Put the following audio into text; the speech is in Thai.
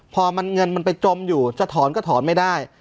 พอมันเงินมันไปจมอยู่จะถอนก็ถอนไม่ได้